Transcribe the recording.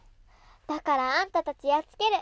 だからあんたたち、やっつける。